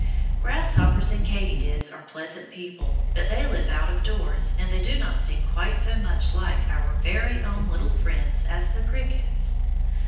Grasshoppers and katydids are pleasant people, but they live out of doors, and they do not seem quite so much like our very own little friends as the crickets.